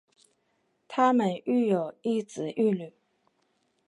她们育有一子一女。